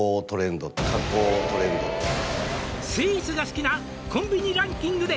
「スイーツが好きなコンビニランキングで」